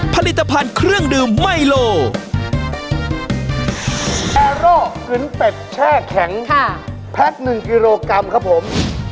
ผลิตภัณฑ์เครื่องดื่มไมโลแอร์โร่กึ้นเป็ดแช่แข็งแพ็คหนึ่งกิโลกรัมครับผม